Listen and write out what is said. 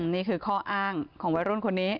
นี่คือข้ออ้างของวัยรุ่นคนนี้